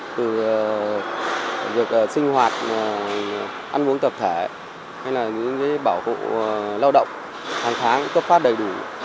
từ việc sinh hoạt ăn uống tập thể hay là những cái bảo hộ lao động hàng tháng cũng tốt phát đầy đủ